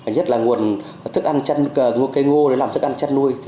nhất là nguồn cây ngô để làm thức ăn chăn nuôi